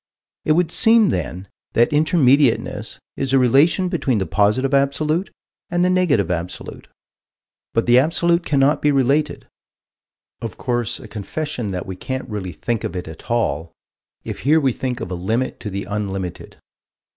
It would seem then that Intermediateness is a relation between the Positive Absolute and the Negative Absolute. But the absolute cannot be the related of course a confession that we can't really think of it at all, if here we think of a limit to the unlimited.